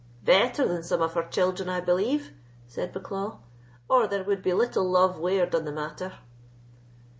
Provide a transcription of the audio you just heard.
"Better than some of her children, I believe," said Bucklaw, "or there would be little love wared on the matter."